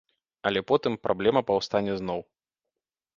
Але потым праблема паўстане зноў.